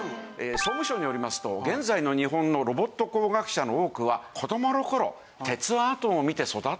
総務省によりますと現在の日本のロボット工学者の多くは子どもの頃『鉄腕アトム』を見て育ったと。